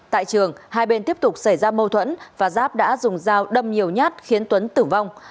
tại trường hai bên tiếp tục xảy ra mâu thuẫn và giáp đã dùng dao đâm nhiều nhát khiến tuấn tử vong